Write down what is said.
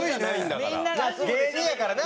芸人やからな。